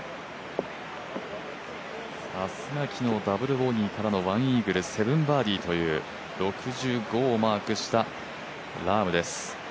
さすが昨日ダブルボギーからの１イーグル７バーディーという６５をマークしたラームです。